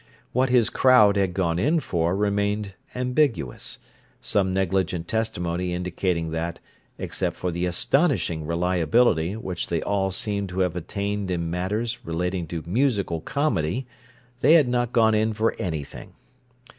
What his crowd had gone in for remained ambiguous; some negligent testimony indicating that, except for an astonishing reliability which they all seemed to have attained in matters relating to musical comedy, they had not gone in for anything.